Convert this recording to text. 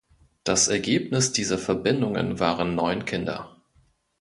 Das Ergebnis dieser Verbindungen waren neun Kinder.